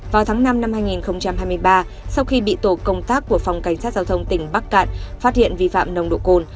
vào tháng năm năm hai nghìn hai mươi ba sau khi bị tổ công tác của phòng cảnh sát giao thông tỉnh bắc cạn phát hiện vi phạm nồng độ cồn